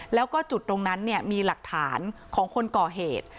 แล้วก็จุดตรงนั้นมีหลักฐานของคนก่อเหตุ